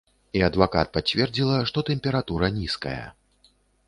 І адвакат пацвердзіла, што тэмпература нізкая.